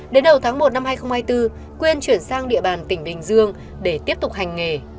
đến đầu tháng một năm hai nghìn hai mươi bốn quyên chuyển sang địa bàn tỉnh bình dương để tiếp tục hành nghề